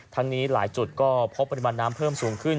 ทั้งนี้หลายจุดก็พบปริมาณน้ำเพิ่มสูงขึ้น